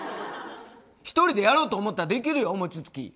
１人でやろうと思ったらできるよ餅つき。